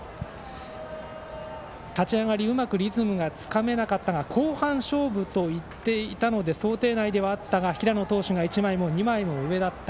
立ち上がりうまくリズムがつかめなかったが後半勝負といっていたので想定内であったが平野投手が１枚も２枚もうわてだった。